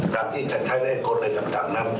การที่จะใช้เลขกลอะไรต่างนั้น